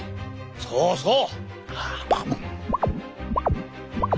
そうそう！